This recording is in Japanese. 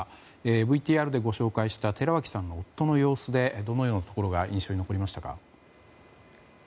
ＶＴＲでご紹介した寺脇さんの夫の様子でどのようなところが印象に残りましたか？